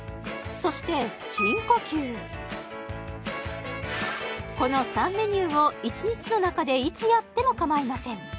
そしてこの３メニューを一日の中でいつやっても構いません